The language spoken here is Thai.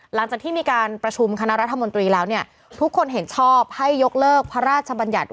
หลังจากที่มีการประชุมคณะรัฐมนตรีแล้วเนี่ยทุกคนเห็นชอบให้ยกเลิกพระราชบัญญัติ